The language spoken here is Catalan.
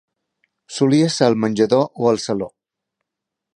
Solia ser al menjador o al saló.